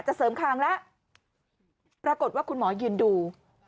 เสริมคางแล้วปรากฏว่าคุณหมอยืนดู